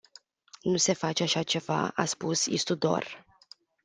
Nu se face așa ceva, a spus Istudor.